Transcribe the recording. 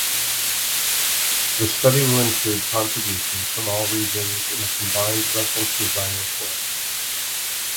The study will include contributions from all regions in a combined Reference Design Report.